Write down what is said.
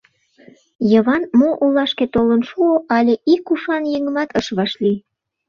Йыван, мо олашке толын шуо, але ик ушан еҥымат ыш вашлий.